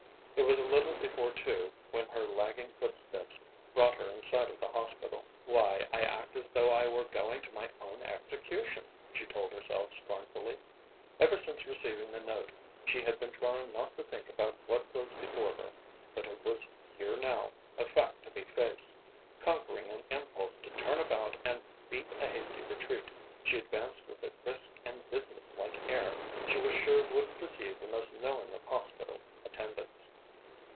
It was a little before two when her lagging footsteps brought her in sight of the hospital. "Why, I act as though I were going to my own execution," she told herself scornfully. Ever since receiving the note, she had been trying not to think about what was before her; but it was here now, a fact to be faced. Conquering an impulse to turn about and beat a hasty retreat, she advanced with a brisk and business like air she was sure would deceive the most knowing of hospital attendants.